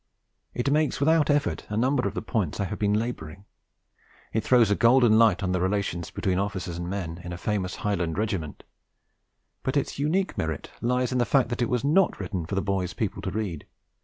It makes without effort a number of the points I have been labouring; it throws a golden light on the relations between officers and men in a famous Highland Regiment; but its unique merit lies in the fact that it was not written for the boy's people to read.